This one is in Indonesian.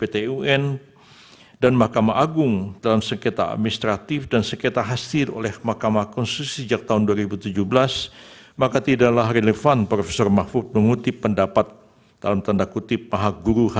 terima kasih terima kasih